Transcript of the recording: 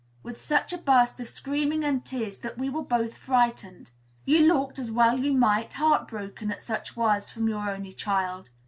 with such a burst of screaming and tears that we were both frightened. You looked, as well you might, heart broken at such words from your only child.